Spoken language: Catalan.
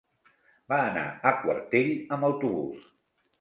Va anar a Quartell amb autobús.